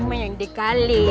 ini mah yang dikali